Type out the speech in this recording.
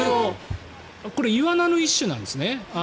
これ、イワナの一種なんですね。